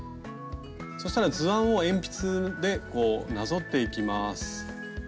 そしたら図案を鉛筆でこうなぞっていきます。